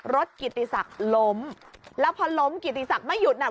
กิติศักดิ์ล้มแล้วพอล้มกิติศักดิ์ไม่หยุดน่ะ